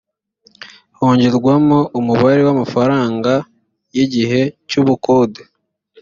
hongerwamo umubare w’amafaranga y’igihe cy’ubukode